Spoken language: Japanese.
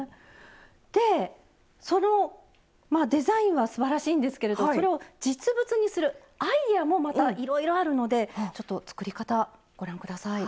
でそのデザインはすばらしいんですけれどそれを実物にするアイデアもまたいろいろあるのでちょっと作り方ご覧下さい。